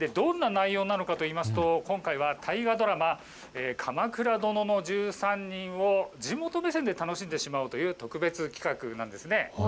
どんな内容なのかといいますと今回の大河ドラマ、鎌倉殿の１３人を地元目線で楽しんでしまおうという特別企画なんです。